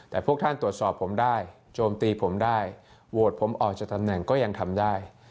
แต่พวกท่านตรวจสอบผมได้โจมตีผมได้โหวตผมออกจากตำแหน่งก็ยังทำได้